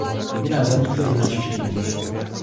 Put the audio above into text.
Jiné zanikly znečištěním.